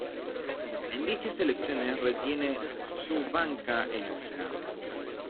En dichas elecciones, retiene su banca en el Senado.